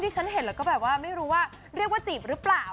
ฉันเห็นแล้วก็แบบว่าไม่รู้ว่าเรียกว่าจีบหรือเปล่า